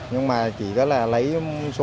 nhưng mà chỉ có là lấy số hàng